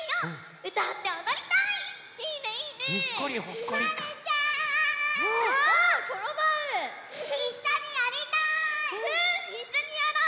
うんいっしょにやろう！